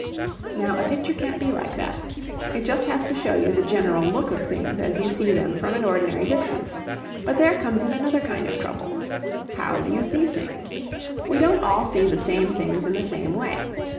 Now a picture can't be like that. It just has to show you the general look of things as you see them from an ordinary distance. But there comes in another kind of trouble. How do you see things? We don't all see the same things in the same way.